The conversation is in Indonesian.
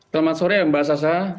selamat sore mbak sasa